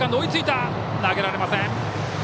投げられません。